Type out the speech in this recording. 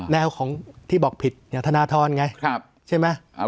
แนวของที่บอกผิดอย่างธนทรไงใช่ไหม